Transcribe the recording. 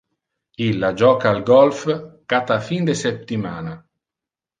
Illa joca al golf cata fin de septimana.